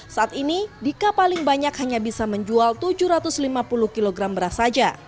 saat ini dika paling banyak hanya bisa menjual tujuh ratus lima puluh kg beras saja